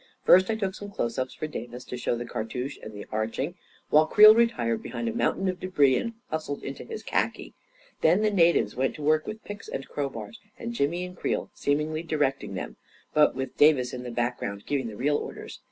First I took some close ups for Davis, to show the cartouche and the arching, while Creel retired behind a mound of debris and hustled into his khaki. Then the natives went to work with picks and crowbars, with Jimmy and Creel seemingly directing them, but with Davis in the back aoa A KING IN BABYLON • ground giving the real orders.